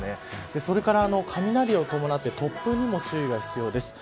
それから雷を伴って突風にも注意が必要です。